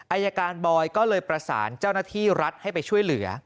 อายการบอยก็เลยประสานเจ้าหน้าที่รัฐให้ไปช่วยเหลือ